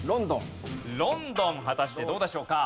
ロンドン果たしてどうでしょうか？